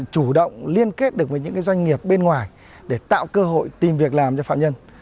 có thể tìm được những doanh nghiệp bên ngoài để tạo cơ hội tìm việc làm cho phạm nhân